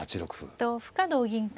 同歩か同銀か。